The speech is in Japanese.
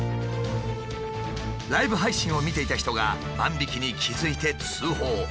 ライブ配信を見ていた人が万引きに気付いて通報。